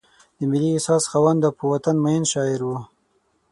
د ملي احساس خاوند او په وطن مین شاعر و.